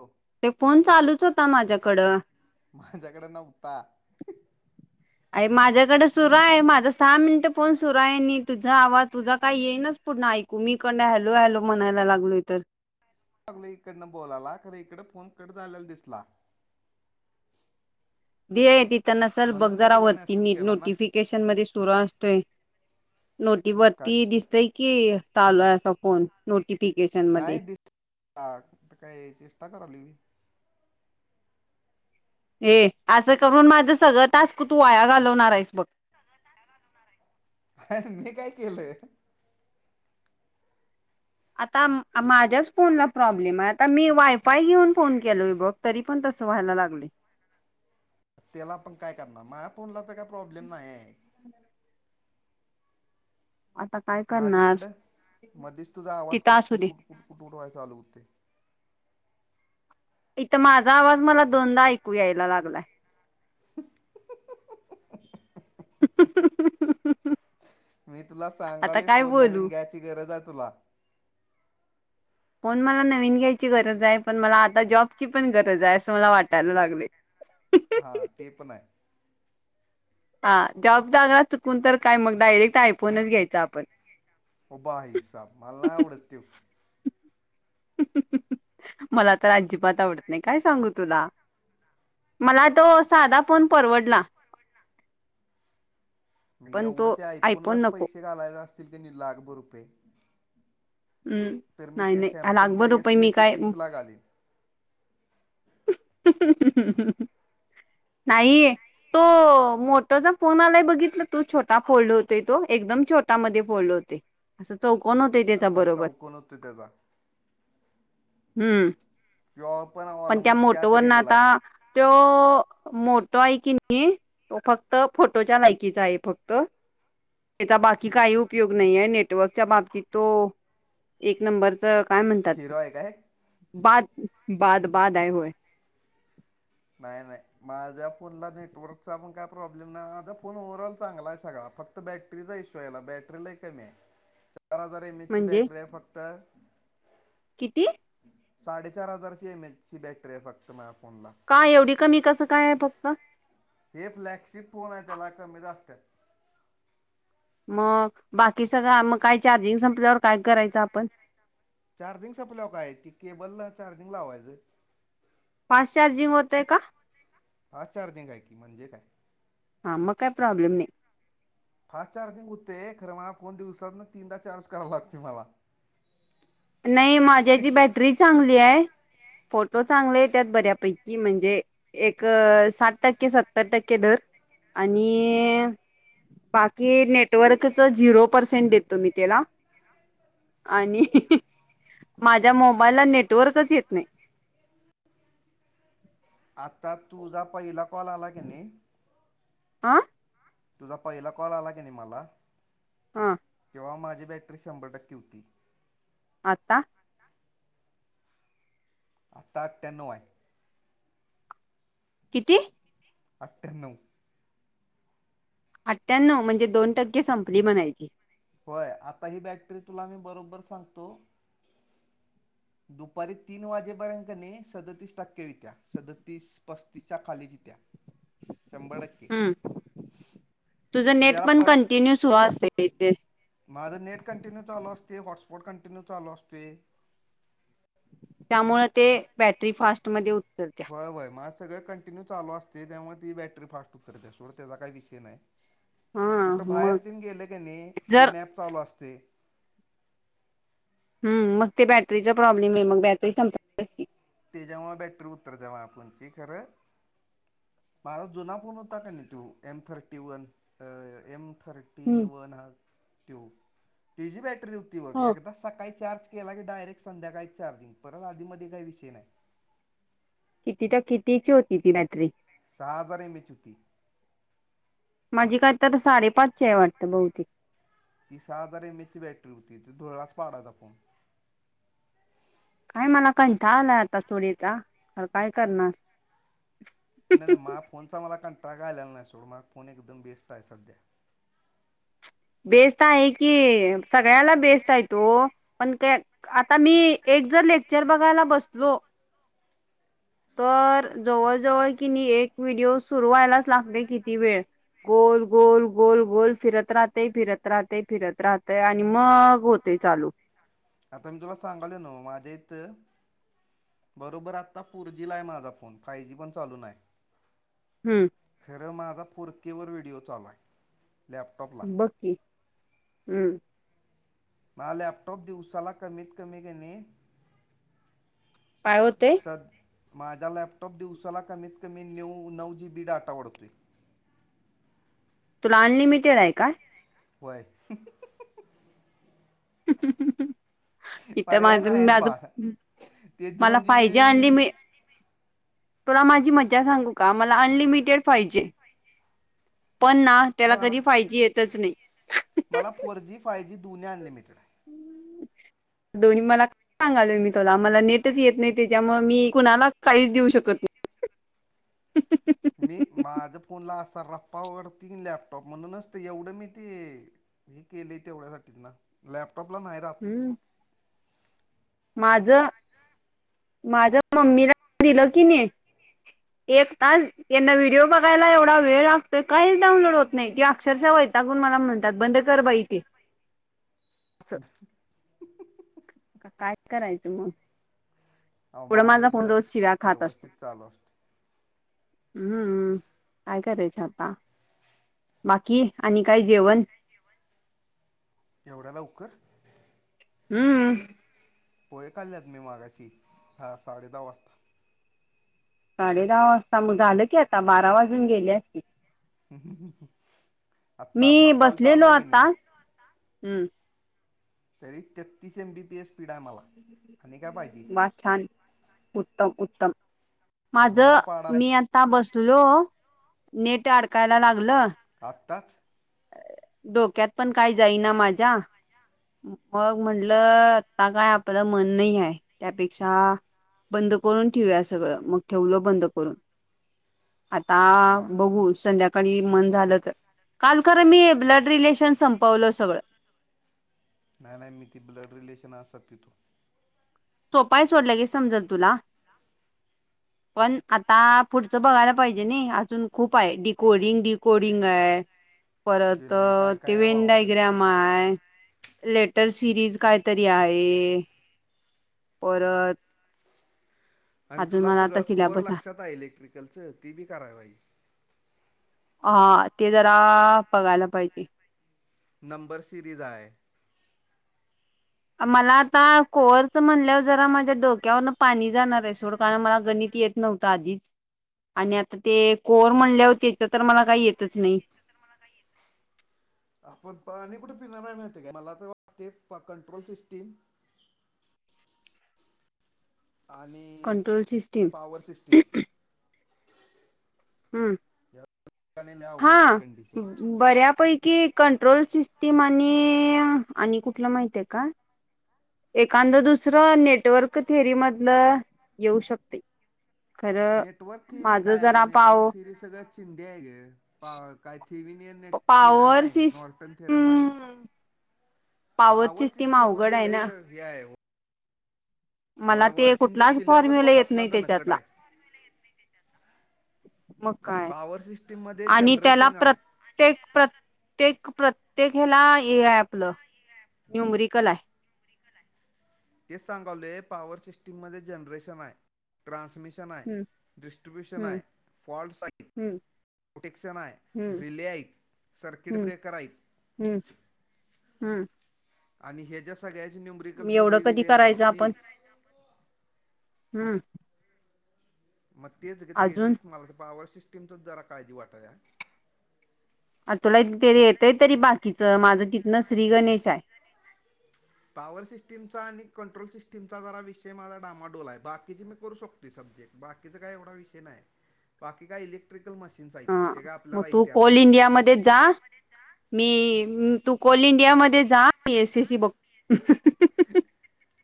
हो ते फोन चालूच होता माझ्याकडं. माझ्याकडे नव्हता. अय माझ्याकडे सुरू आहे, माझा सहा मिनिटं फोन सुरू आहे नि तुझा आवाज तुझा काही येईनाच. पुढणं ऐकू, मी इकडनं हॅलो हॅलो म्हणायला लागलोय तर. [unintelligible] इकडनं बोलाला खरं इकडं फोन कट झालेला दिसला. दे तिथं नसल बग म्हणून मी जरा तुला वरती मेसेज नीट नोटिफिक केला ना नोटीफिकेशन मधे सुरू असतोय, नोटी काय वरती दिसतंय की चालू आहे असा फोन नोटिफिकेशन मध्ये. हा कुठं काय चेष्टा करालोय मी. ए असं करून माझं सगळं टास्क तू वाया घालवणार आहेस बघ. वाया घालवणार आहेस बघ, मी काय केलंय? आता म आ माझ्याच फोनला प्रॉब्लेम आहे आता मी वायफाय घेऊन फोन केलोय बघ तरी पण तसं व्हायला लागले. त्याला आपण काय करणार, माझ्या फोनला तर काय प्रॉब्लेम नाही. आता काय आधी करणार इकडं मध्येच तुझा आवाज तिथं असू कुटकुट दे. कुट कुट कुट कुट उडवाय चालू होते. इथं माझा आवाज मला दोनदा ऐकू यायला लागलाय. [unintelligible] मी तुला आता सांगायलोय काय फोन बोलू नवीन घ्यायची गरज आहे तुला. फोन मला नवीन घ्यायची गरज आहे पण मला आता जॉबची पण गरज आहे असं मला वाटायला लागलय. [inaudible] हां, ते पण हाय. हा जॉबझाला चुकून तर काय मग डायरेक्ट आयफोनच घ्यायचा आपण. ओ भाईसाहब मला नाही आवडत त्या. मला तर अजिबात आवडत नाही काय सांगू तुला. मला तो साधा फोन परवडला. पण एवढं तो ते आयफोन आयफोनलाच नको पैसे घालायचे असतील कणी लाख भर रुपये. हम्म. तर मी नाही ते नाही लाखभर सॅमसंगच्या एस रुपये मी ट्वेंटी काय सिक्स ला घालीन. नाही. तो मोठाचा फोन आलाय बघितलं. तू छोटा फोल्ड होतेय. तो एकदम छोटा मध्ये फोल्ड होते. असं चौकन होतय त्याच्या असा बरोबर चौकोन होतो त्याचा हम्म. किं ओपन पण त्या मोटोवरन आता तो मोटो आहे की नी. तो फक्त फोटोच्या लायकीचा आहे फक्त. त्याचा बाकी काही उपयोग नाहीआहे नेटवर्कच्या बाबतीत तो एक नंबरचा. काय म्हणतात झिरो आहे काय बाद बाद बाद आहे होय. नाही नाही माझ्या फोनला नेटवर्कचा पण काय प्रॉब्लेम नाही माझा फोन ओव्हरऑल चांगला आहे. सगळा फक्त आता बॅटरीचा इशू आहेला. बॅटरी लय कमी आहे. [inaudible] चार हजार एम एच ची म्हणजे बॅटरी आहे फक्त. किती. साडेचार हजार ची एमएच ची बॅटरी आहे फक्त माझ्या फोनला. काय एवढी कमी कसं काय आहे फक्त. हे फ्लॅगशिप कोपोन आहे त्याला कमी जा असतात. मग बाकी सगळं मग काय चार्जिंग संपल्यावर काय करायचं आपण. चार्जिंग संपलाव काय की केबल ला चार्जिंग लावायचं. फास्ट चार्जिंग होतं का. हा चार्जिंग आहे की म्हणजे काय. हां मग काही प्रॉब्लेम नाही. फास्ट चार्जिंग होतय खरं म फोन दिवसात ना तीनदा चार्झंग कराला लागतो मला. नाही माझ्याची बॅटरी चांगली आहे. फोटो चांगले त्यात बऱ्यापैकी म्हणजे. एक साठ टक्के सत्तर टक्के धर आणि. बाकी नेटवर्कच झिरो पर्सेंट देतो मी तेला. आणि माझ्या मोबाईलला नेटवर्कच येत नाही. आत्ता तुझा पहिला कॉल आला की नाही. आं. तुझा पहिला कॉल आला कणी मला. हां. तेव्हा माझी बॅटरी शंभर टक्के होती. आत्ता. आता आठ्यानऊ आहे. किती अठ्ठ्याण्णव. अठ्ठ्याण्णव म्हणजे दोन टक्के संपली म्हणायची. होय आता ही बॅटरी तुला मी बरोबर सांगतो. [inaudible] दुपारी तीन वाजेपर्यंतने सदतीस टक्के वित्या सदतीस पस्तीसच्या खाली जित्या. शंभर टक्क हम् तुझं मग नेट याला पण परत कंटिन्यूस असते इथे माझं नेट कंटिन्यू चालू असते हॉटस्पॉट कंटिन्यू चालू असते त्यामुळे ते बॅटरी फास्टमध्ये उतल हय होयझ सगळळे कंटिन्यू चालू असते त्यामुळे ती बॅटरी फास्ट उतर त्या सो त्याचा काही विषय नाही हा कुठं बाहेर मग येऊन गेले की नाही ती जर मॅप चालू असते ह मग ते बॅटरीचा प्रॉब्लेम आहे मग बॅटरी संप ते जव्हा बॅटरी उत्तर जाव आपणची खरं माझा जुना फोन होता का नाही तो M thirty one M thirty हम्म वन ह ट्यू त बॅटरीती बघ हो. एकदा सकाळी चार्ज केला की डायरेक्ट संध्याकाळी चार्जिंग परत आधी मध्ये काही विषय नाही किती तर कितीची होती ती बॅटरी सहा हजार एमबीची होती माझी काय तर साडेपाच आहे वाटतं बहुतेक ती सहा हजार एम एच ची बॅटरी होती त ते धुळाच पाडायचा फोण काय मला कंथ आलाय आता चोरीचा काय करणार नाही नाही मझ फोनचा मला काण ट्रगा आलेला नाही सोडून मझ फोन एकदम बेस्ट आहे सध्या बेस्ट आहे की सगळ्याला बेस्ट आहे तो पण काय आता मी एक जर लेक्चर बघायला बसलो तर जवळजवळ की मी एक व्हिडिओ सुरू व्हायलाच लागते किती वेळ गोल गोल गोल गोल फिरत राहते फिरत राहते फिरत राहतय आणि मग होत ते चालू आता मी तुला सांगाल न माझ्या इथं बरोबर आत्ता फोर जीला आहे माझा फोन फाय जी पण चालू नाही आहे हं् खरं माझा फुरकीेवर व्हिडिओ चालला आहे लॅप बकी हम्म ह लॅपटॉप दिवसाला कमीत कमी घेणे काय होते सद माझा लॅपटॉप दिवसाला कमीत कमी नऊ नऊ जी बी डाटा वढतो तुला अनलिमिटेड आहे का होय ह इथ पर्याय नाही आहे बाळ. माझून ते मला दोन जी बी पाहिजे बिन जी आणली बी मी तुला माझी मजा सांगू का मला अनलिमिटेड पाहिजे पण ना त्याला नाही मला कधी फायजी येतच नाही मला फोर जी फाय जी दु्न अनिमिटेड आहेत. दोन्ही मला सांगालोय मी तुला मला नेटच येत नाही त्याच्यामुळे मी कुणाला काहीच देऊ शकत नाही. त मी माझ फोनला असा रप्पावरडतीन लॅपटॉप म्हणून नसत एवढं मी ते हे केले तेवढ्यासाठी ना लॅपटॉपला नाही रा हम् माझ माझ मम्मीला दिलं की नाही एकतास यांना व्हिडिओ बघ रायला एवढा वेळ लागतोय काहीच डाऊनलड होत नाही की अक्षरशः वैतागून मला म्हणतात बंद कर बा इथे [unintelligible] ह [unintelligible] काय करायचं मग! अंहो एवढा माझं माझा फोन एकदंम रोज व्यवस्थित चालूं असतो. हम्मं कायं करायचं आतां बांकी आणि कायं जेवणं एवढ्यां लवकरं हम्मं पोहे खाल्ल्यांत मी मंगाशी हां सांडे दहा वाजतां सांडे दहा वाजतां मंग झालं की आतां बारां वाजूंन गेले की आता. हं आतां आपलां मी कॉल चाललांय की नाहीं. हम्मं तरी तेत्तीस M B P S speed आहे आम्हांला आंणखी कायं पाहिजे अं छान उत्तंम उत्तंम धुरळा माझं पाडालाय मी आ तां बसलो नेट अडकांयला लागलं. आत्ताच डोक्यांत पणं कायं जाईना माझ्यां मंग म्हटलं आतां कायं आपलं मनं नाहीं आहे त्यांपेक्षा बंद करूंन ठेवूंया सगळं मंग ठेवलं बंद करूंन वा आतां बघूं संध्याकांळ की मंन झालं तरं कालं खरं मी ब्लड रिलेशन संपवलं सगळं नाहीं नाहीं मी ती ब्लड रिलेशंन असलं तीथूं न सोपायं सोडलं के समजलं तुलां पणं आतां पुढचं बघायंला पाहिजे नां अजूंन खूंप आहे. डिकोडिंग ड कोडिंग आहे. परंत गेलंय काय काय आहे तीवेण वावा डांयग्रामं मांय त्यात लेटर सिरीज कायं तरी आहे. परंत आणि तुलां आता सगळं कोअर सिल्याबस लक्षांत आहे. इलेक्ट्रिकलचं ती बी करावाई हां ते जरां बघायंला पाहिजे. नंबर सिरीज आहे. मलां आतां कोवरचं म्हणलंवर जरां माझ्यां डोकं डोक्यांवरंन पाणी जाणारं आहे सोड कारणं मलां गणितं येतं नव्हतं आधीचं आणि आतां ते कोवर म्हणले होतेच्यां तरं मुलां कांहीं येतंच नाहीं. आपणं पाणी कुठे पिण्यां नाहीं माहीत कायं मलां तरं वाटते कंट्रोल सिस्टीमं आणि कंट्रोल सिस्टीम पॉवर सिस्टींम हम्मं आणि लय अवघड कंडिशन हां बऱ्यांपैकी कंट्रोल सिस्टीम आणि आणि कुठलं माहिती आहे कां एखादं दुसरं नेटवर्क थेरी मधलं येऊं शकते. खरं माझं जरां पांव सगळं चिंदे आहे गं कायं थिरंम पॉवर आहे नॉर्टर्न थिरंम आहे. System power power system system अवघड मध्यें आहे लई ना नेडते आहे हो मलां ते तुमचा कुठलांच सिलेबस फॉर्म्युला बघ येतं कसला नाहीं दणकट त्यांच्यातला आहे. मंग पॉवर सिस्टीमंमध्यें जनरेशन हांय प्रत्येक प्रत्येक प्रत्येक हेला हे आहे आपलं न्युमरिकल आहे तेच सांगावले पॉवर सिस्टीम मध्यें जनरेशन आहे ट्रानसमिशन आहे हम्म डिस्ट्रीब्यूंशन आहे हम्म फॉलसाइडं हम्म प्रटेक्शं न आहे हम्म रिले ई सर्किट ब्रेकरई आहे हम्मं हम्मं आणि ह्यां ज्यां सगळ्यांची न्युंबरिकल्स वेगळी वेगळी येणारं ती हम्मं मंग तेचं गं अजून तेजचं मलां जं पॉवर सिस्टीमचं जरां काळजी वाटायां आंतां तुलां ते येतय तरी बाकीचं माझं तिथनं श्री गणेशा हांय पॉवर सिस्टीमचां आणि कंट्रोल सिस्टीमचां जरां विषय माझां डामाडोल हांय बाकीची मी करूं शकतो री सब्जेक्ट बाकीच काय एवढा विषय नाय बाकी काय इलेक्ट्रिकल मशीन हा मग तू कोल इंडिया मध्येच जा. मी ई तू कोल इंडिया मध्ये जा मी ए सी सी बघ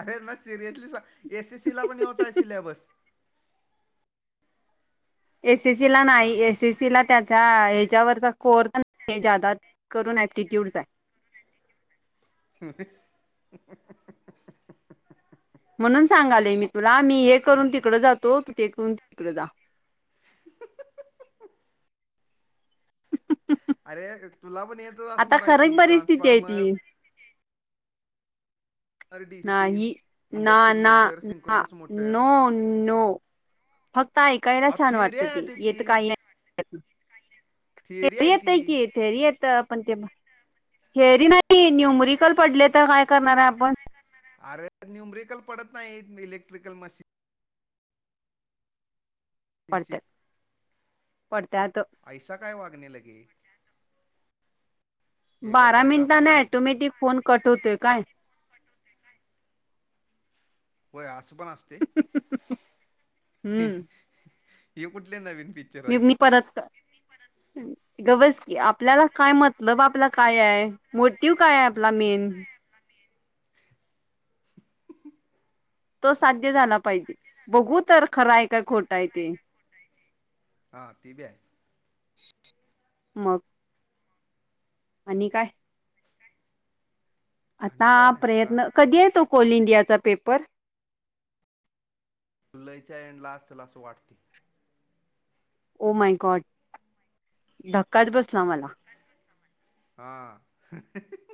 अरे ना सिरियसली सा एस एस सी ला पण ह्योच आहे सिलॅबस. एस एस सीला नाही. सांगाल एस एस सीला त्याच्या हेच्यावरचा कोर जादा करू [unintelligible] ॲटीट्यूडचा हाय. नाही. [inaudible] म्हणून सांगालोय मी तुला मी हे करून तिकडं जातो. तू ते करून तिकडे जा. [inaudible] अरे तुला पण येतच आता असणार हाय की खरंच परिस्थिती आहे ट्रान्सफॉर्म. ती डीसी मशीन नाही ना, इंडक्शन ना, मोटर ना. Synchronous motor no, no. फक्त ऐकायला अ छान थिअरी वाटतं आहे ते ती येत ती काही [unintelligible] थिअरी ते आहे ती येतकी ते ये हिथं पण ते [inaudible] थेरी नाही न्युमरिकल पडले तर काय करणार हाय आपण? अरे न्युमरिकल पडत नाही इलेक्ट्रिकल मशीन. मशीनशी पडत्यात पडत्यात. ऐसा काय वागणे लगे. ये गप बारा बाय घाबरू मिनटाने नको ऑटोमॅटिक फोन कट होतोय काय? होय असं पण असते [inaudible] हम्म हे [inaudible] कुठले नवीन पि मी मी परत [inaudible] ग बस की आपल्याला काय मतलब आपला काय हाय? मोटिव काय हाय आपला मेन? तो साध्य झाला पाहिजे बघू तर खरं हाय काय खोटं हाय ते. हां ते बी हाय. [inaudible] मग. आणि काय? आणि आता काय नाही आता प्रयत्न कधी हाय तो कोल इंडियाचा पेपर? जुलैच्या एंड ला असल अस वाटतय. ओ माय गॉड [inaudible] धक्काच बसला मला. [unintelligible] हा [inaudible]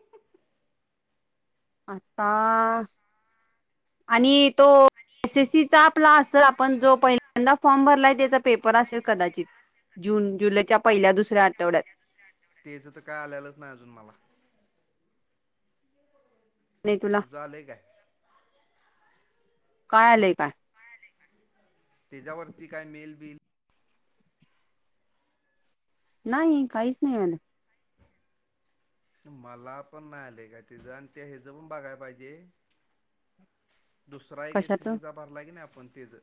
आता [inaudible] आणि तो एस एस सीचा आपला असंल आपण जो पहिल्यांदा फॉर्म भरलाय त्याचा पेपर असेल कदाचित. जून-जुलैच्या पहिल्या-दुसऱ्या आठवड्यात. तेज तर काय आल्यालंच नाय अजून मला. नाही तुला तुझं आलय काय? काय आलंय काय? त्याच्यावरती काय मेल-बिल? नाही काहीच नाही आल. मला पण नाय आलय काय तिचं आणि ते हेचं पण बघाय पाहिजे. दुसरा एक एस कशाच एस सी चा भरला की नाही आपण तेच.